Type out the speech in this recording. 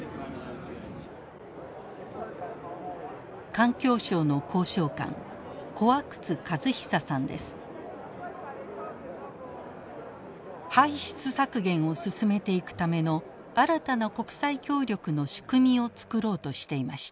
環境省の交渉官排出削減を進めていくための新たな国際協力の仕組みを作ろうとしていました。